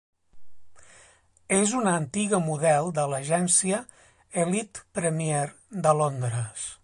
És una antiga model de l'agència Elite Premier de Londres.